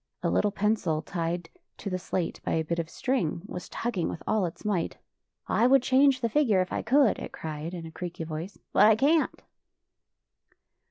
A little pencil, tied to the slate by a bit of string, was tugging with all its might. " I would change the figure if I could," it cried in a creaky voice, " but I can't."